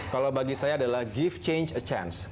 kalau bagi saya adalah give change at chance